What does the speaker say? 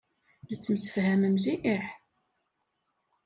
Nettemsefham mliḥ.